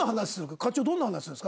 課長どんな話するんですか？